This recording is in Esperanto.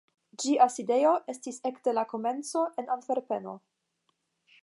Ĝia sidejo estis ekde la komenco en Antverpeno.